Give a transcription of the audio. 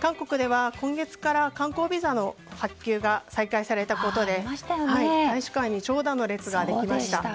韓国では今月から観光ビザの発給が再開されたことで大使館に長蛇の列ができました。